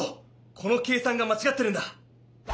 この計算がまちがってるんだ！